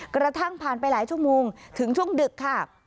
กระทั่งผ่านไปหลายชั่วโมงถึงช่วงดึกค่ะ